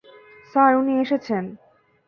Sir, উনি এসেছেন।